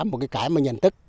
một cái cái mà nhận thức